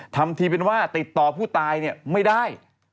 ทำทีเป็นว่าติดต่อผู้ตายไม่ได้